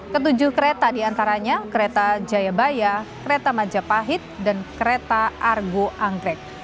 ketujuh kereta diantaranya kereta jayabaya kereta majapahit dan kereta argo anggrek